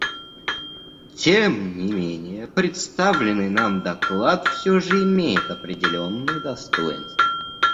Тем не менее представленный нам доклад все же имеет определенные достоинства.